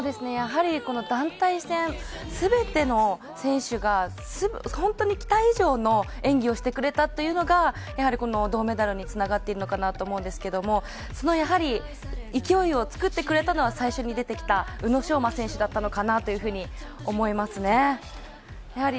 やはり団体戦、全ての選手が本当に期待以上の演技をしてくれたというのが銅メダルにつながっているのかなと思うんですけど、その勢いをつくってくれたのは、最初に出てきた宇野昌磨選手だったのかなと思いますね。